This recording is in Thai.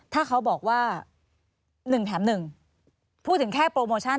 ถ้าเขาบอกว่า๑แถม๑พูดถึงแค่โปรโมชั่น